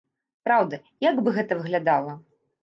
Праўда, як бы гэта выглядала?